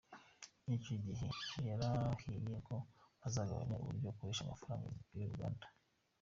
Icyo gihe yarahiye ko azagabanya uburyo akoresha amafaranga ya rubanda.